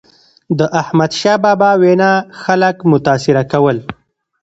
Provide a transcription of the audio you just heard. د احمدشاه بابا وینا خلک متاثره کول.